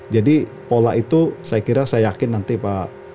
jadi pola itu saya kira saya yakin nanti pak